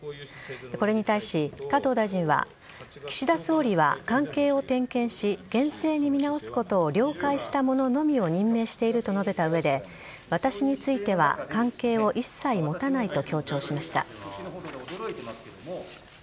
これに対し、加藤大臣は岸田総理は、関係を点検し厳正に見直すことを了解した者のみを任命していると述べた上で私については関係を一切持たないと強調しました。